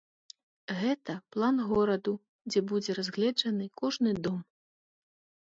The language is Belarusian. Гэта план гораду, дзе будзе разгледжаны кожны дом.